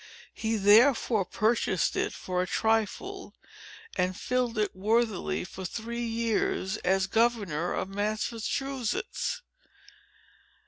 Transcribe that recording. He therefore purchased it for a trifle, and filled it worthily for three years, as governor of Massachusetts."